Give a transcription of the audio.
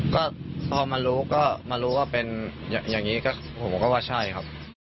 ก็พอมารู้ก็มารู้ว่าเป็นอย่างนี้ก็ผมก็ว่าใช่ครับ